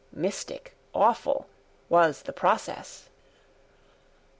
Mystic, awful was the process.